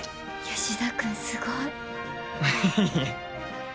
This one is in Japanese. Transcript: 吉田君すごい。